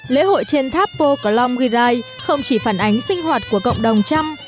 lễ hội trên tháp pô cửa long ghi rai không chỉ phản ánh sinh hoạt của cộng đồng trăm